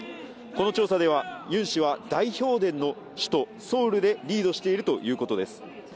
この調査では、ユン氏は大票田の首都ソウルでリードしているということです。